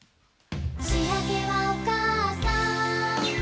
「しあげはおかあさん」